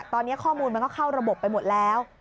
ตอนนี้ข้อมูลมันก็เข้าระบบไปหมดแล้ว